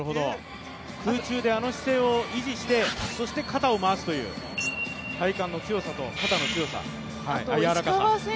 空中であの姿勢を維持して肩を回すという、体幹の強さと肩の強さ、やわらかさ